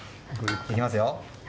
いきますよ。